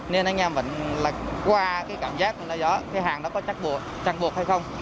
nên anh em vẫn qua cảm giác hàng có chặn buộc hay không